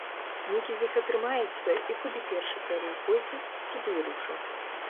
Нейкі з іх атрымаецца, і куды першы прарыў пойдзе, туды і рушым.